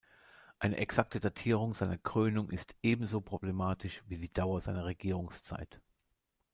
Eine exakte Datierung seiner Krönung ist ebenso problematisch wie die Dauer seiner Regierungszeit.